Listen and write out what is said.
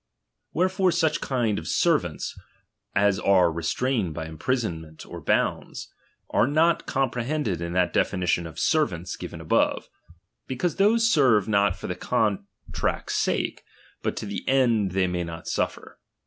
Wherefore such kind of servants as are re strained by imprisonment or bonds, are not com prehended in that definition of servants given above ; because those serve not for the contract's sake, but to the end they may not suffer.